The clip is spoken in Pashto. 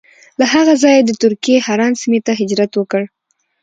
له هغه ځایه یې د ترکیې حران سیمې ته هجرت وکړ.